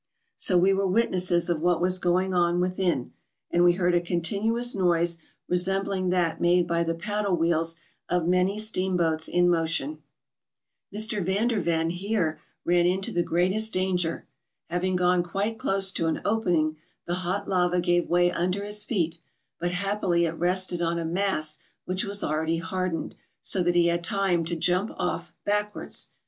So we were witnesses of what was going on within ; and we heard a continuous noise resem¬ bling that made by the paddle wheels of many steam¬ boats in motion. 248 MOUNTAIN ADVENTUKES. Mr. Van der Ven here ran into the greatest danger. Having gone quite close to an opening, the hot lava gave way under his feet ; but happily it rested on a mass which was already hardened; so that he had time to jump off backwards.